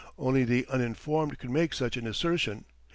Only the uninformed could make such an assertion.